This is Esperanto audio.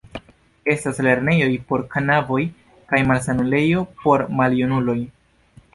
Estas lernejoj por knaboj kaj malsanulejo por maljunuloj.